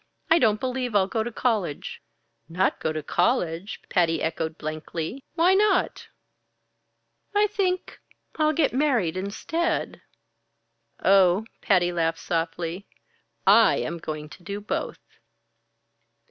I don't believe I'll go to college." "Not go to college!" Patty echoed blankly. "Why not?" "I think I'll get married instead." "Oh!" Patty laughed softly. "I am going to do both!"